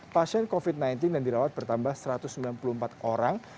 pasien covid sembilan belas yang dirawat bertambah satu ratus sembilan puluh empat orang